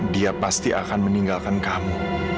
dia pasti akan meninggalkan kamu